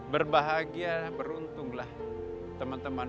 berbahagia beruntunglah teman teman